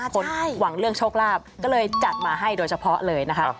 คนหวังเรื่องโชคลาภก็เลยจัดมาให้โดยเฉพาะเลยนะครับ